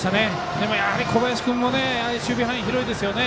でもやはり小林君も守備範囲広いですよね。